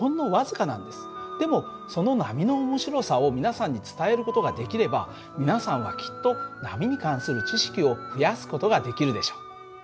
でもその波の面白さを皆さんに伝える事ができれば皆さんはきっと波に関する知識を増やす事ができるでしょう。